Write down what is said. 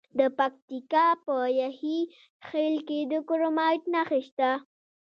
د پکتیکا په یحیی خیل کې د کرومایټ نښې شته.